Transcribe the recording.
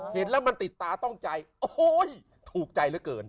เห็นแล้วมันติดตาต้องใจโอ้โหถูกใจเหลือเกิน